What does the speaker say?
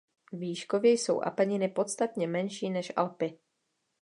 Výškově jsou Apeniny podstatně menší než Alpy.